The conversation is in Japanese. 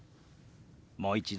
もう一度。